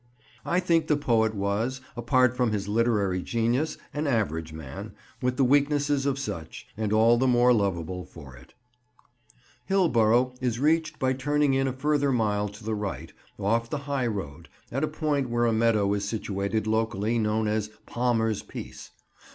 I think the poet was, apart from his literary genius, an average man, with the weaknesses of such; and all the more lovable for it. [Picture: "Haunted Hillborough"] Hillborough is reached by turning in a further mile to the right, off the high road, at a point where a meadow is situated locally known as "Palmer's Piece."